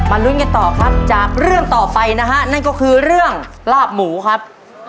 ลุ้นกันต่อครับจากเรื่องต่อไปนะฮะนั่นก็คือเรื่องลาบหมูครับ